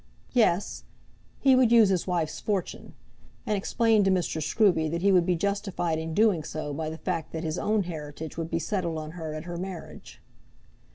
Yes; he would use his wife's fortune, and explain to Mr. Scruby that he would be justified in doing so by the fact that his own heritage would be settled on her at her marriage.